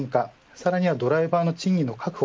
それにはドライバーの賃金の確保